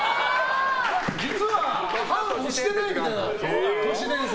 実は判を押してないみたいな都市伝説。